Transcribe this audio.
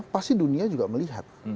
pasti dunia juga melihat